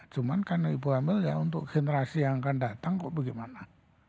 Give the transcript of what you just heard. cuma karena ibu hamil ya untuk generasi yang akan datang kok bagaimana